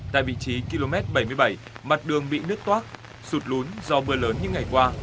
tại vị trí km bảy mươi bảy mặt đường bị nứt toát sụt lún do mưa lớn những ngày qua